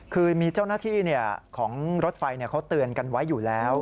คือมีเจ้าหน้าที่ของรถไฟเขาเตือนกันไว้อยู่แล้ว